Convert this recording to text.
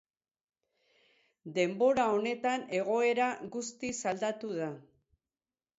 Denbora honetan egoera guztiz aldatu da.